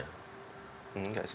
nggak sih lebih lebih menantang